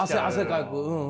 汗かく。